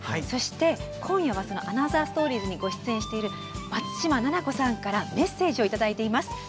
そして、今夜はその「アナザーストーリーズ」にご出演している松嶋菜々子さんからメッセージをいただいています。